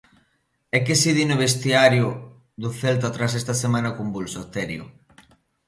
E que se di no vestiario do Celta tras esta semana convulsa, Terio?